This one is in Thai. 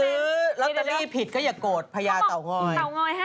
ซื้อรัตตาลีผิดก็อย่าโกรธพญาเต่าง้อย